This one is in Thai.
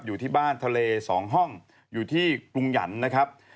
อยู่ที่บ้านทะเล๒ห้องอยู่ที่กรุงหยันต์นะครับ